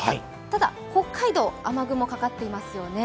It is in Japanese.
ただ北海道、雨雲かかっていますよね。